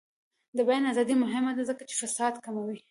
د بیان ازادي مهمه ده ځکه چې فساد کموي.